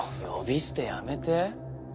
呼び捨てやめて。